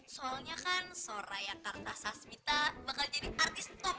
soalnya kan soraya kartasasmita bakal jadi artis top